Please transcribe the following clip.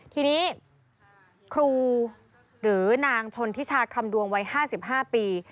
ทีนี้ครูหรือนางชนทิชาคำดวงวัย๕๕ปี